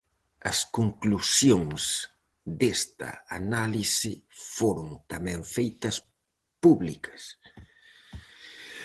As conclusións desta análise foron tamén feitas públicas.